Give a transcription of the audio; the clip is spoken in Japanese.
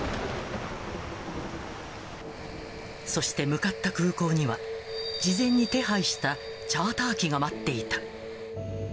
そして向かった空港には、事前に手配したチャーター機が待っていた。